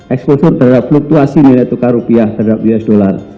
eksplosur terhadap fluktuasi nilai tukar rupiah terhadap usd